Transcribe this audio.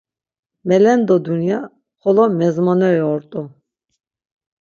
Melendo Dunya xolo mezmoneri ort̆u.